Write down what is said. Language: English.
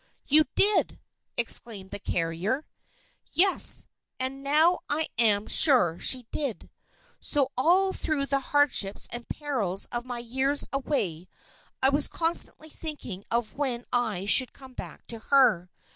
"You did!" exclaimed the carrier. "Yes; and now I am sure she did. So all through the hardships and perils of my years away, I was constantly thinking of when I should come back to her.